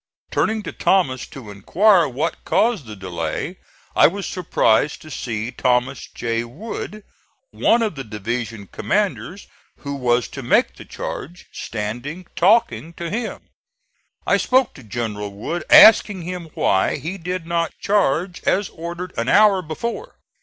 Turning to Thomas to inquire what caused the delay, I was surprised to see Thomas J. Wood, one of the division commanders who was to make the charge, standing talking to him. I spoke to General Wood, asking him why he did not charge as ordered an hour before.